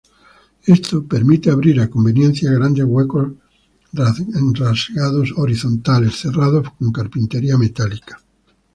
Esto permite abrir a conveniencia grandes huecos rasgados horizontales, cerrados con carpintería metálica.